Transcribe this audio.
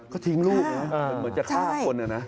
ก็ทิ้งลูกเหมือนจะฆ่าคนอะนะ